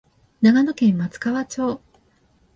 長野県松川町